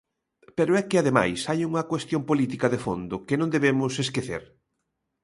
Pero é que ademais hai unha cuestión política de fondo que non debemos esquecer.